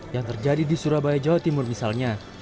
yang terjadi di surabaya jawa timur misalnya